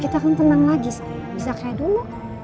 udah kamu tenang aja sayang